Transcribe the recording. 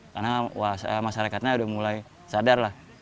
karena masyarakatnya sudah mulai sadar lah